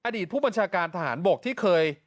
อดีตผู้บัญชาการทหารบกที่เคย